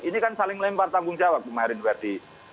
ini kan saling melempar tanggung jawab ke marin verdi